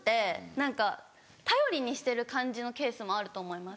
何か頼りにしてる感じのケースもあると思います。